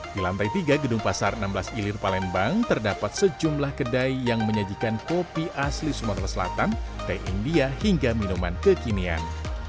di lantai tiga gedung pasar enam belas ilir palembang terdapat sejumlah kedai yang menyajikan kopi asli sumatera selatan teh india hingga minuman kekinian